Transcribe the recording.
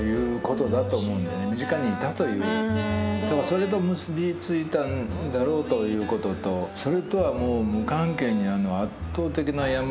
それと結び付いたんだろうということとそれとはもう無関係に圧倒的な山の水の清らかな水。